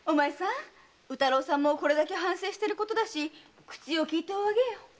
宇太郎さんもこれだけ反省してることだし口を利いておあげよ。